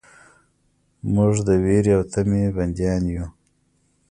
موږ د ویرې او طمعې بندیان یو.